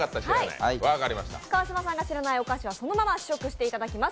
川島さんが知らないお菓子はそのまま試食していただきます。